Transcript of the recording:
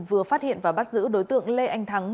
vừa phát hiện và bắt giữ đối tượng lê anh thắng